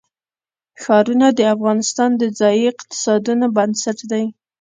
ښارونه د افغانستان د ځایي اقتصادونو بنسټ دی.